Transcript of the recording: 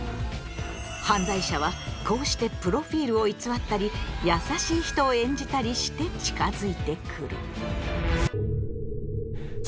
犯罪者はこうしてプロフィールを偽ったり優しい人を演じたりして近づいてくる。